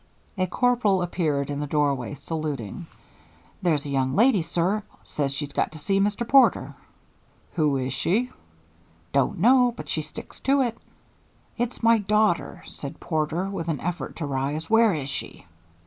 A corporal appeared in the doorway, saluting. "There's a young lady, sir, says she's got to see Mr. Porter." "Who is she?" "Don't know, but she sticks to it." "It's my daughter," said Porter, with an effort to rise. "Where is she?"